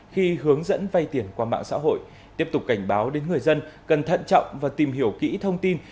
khi hướng dẫn vay tiền qua mạng xã hội tiếp tục cảnh báo đến người dân cần thận trọng và tìm hiểu kỹ thông tin